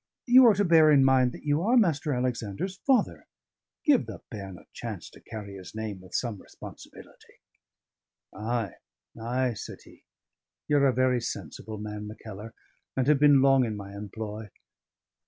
"You are to bear in mind that you are Mr. Alexander's father: give the bairn a chance to carry his name with some responsibility." "Ay, ay," said he. "Ye're a very sensible man, Mackellar, and have been long in my employ.